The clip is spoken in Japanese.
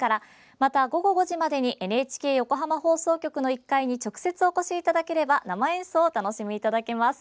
また、午後５時までにＮＨＫ横浜放送局の１階に直接お越しいただければ生演奏をお楽しみいただけます。